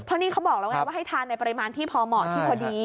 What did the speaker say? เพราะนี่เขาบอกแล้วไงว่าให้ทานในปริมาณที่พอเหมาะที่พอดี